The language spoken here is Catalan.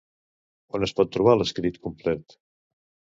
On es pot trobar l'escrit complet?